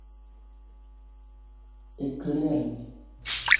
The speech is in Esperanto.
eklerni